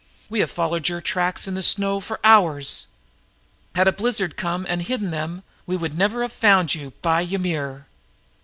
We have followed your tracks in the snow for hours. Had a blizzard come up and hidden them, we had never found you, by Ymir!"